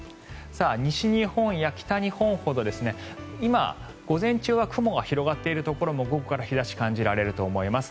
西日本や北日本ほど今、午前中は雲が広がっているところも午後から日差しを感じられると思います。